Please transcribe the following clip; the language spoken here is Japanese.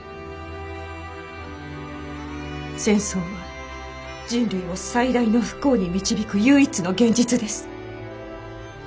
戦争は人類を最大の不幸に導く唯一の現実です。